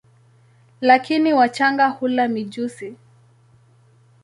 Lakini wachanga hula mijusi.